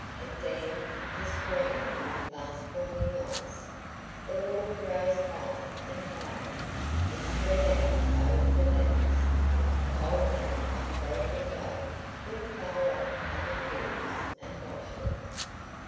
It dammed the stream with fast forming ice. The water rose higher and higher. It spread out over the banks. Cold Maker and Broken Bow went far off on the hills and watched it.